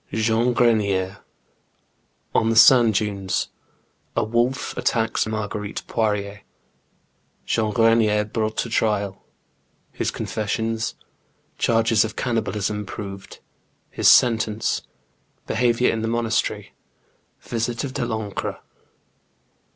JEAN GRENIER. On the Sand dnnes — A Wolf attacks Marguerite Poirier — Jean Grenier brought to Trial — His Confessions — Charges of Cannibalism proved — His Sentence — ^Behaviour in the Monastery — Visit of Dcrancre.